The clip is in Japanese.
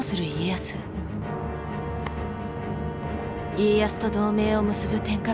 家康と同盟を結ぶ天下人